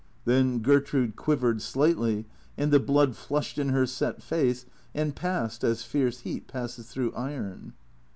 Then Gertrude quiv ered slightly, and the blood flushed in her set face and passed as fierce heat passes through iron.